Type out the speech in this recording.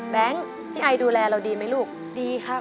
แบงค์พี่ไอร์ดูแลเราดีไหมลูกดีครับ